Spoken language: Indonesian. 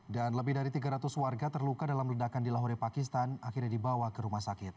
dan lebih dari tiga ratus warga terluka dalam ledakan di lahore pakistan akhirnya dibawa ke rumah sakit